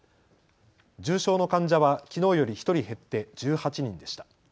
重症の患者はきのうより１人減って１８人でした。